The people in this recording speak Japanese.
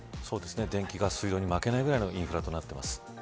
電気、ガス、水道に負けないぐらいのインフラとなっています。